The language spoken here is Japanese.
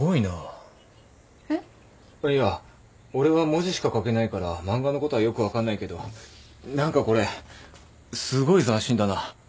いや俺は文字しか書けないから漫画のことはよく分かんないけど何かこれすごい斬新だな。